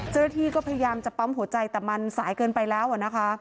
เจ้าหน้าที่ก็พยายามจะปั๊มหัวใจแต่มันสายเกินไปแล้วนะคะ